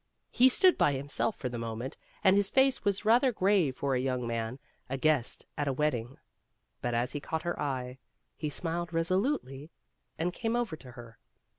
He stood by him self for the moment and his face was rather grave for a young man, a guest at a wedding. But as he caught her eye, he smiled resolutely and came over to her.